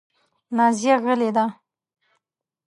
نازیه غلې ده .